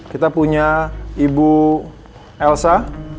kita punya ibu elsa